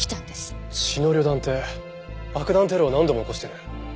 血の旅団って爆弾テロを何度も起こしてる？